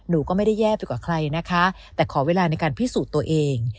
หนูก็ไม่ได้แย่ไปกว่าใครนะคะแต่ขอเวลาในการพิสูจน์ตัวเอง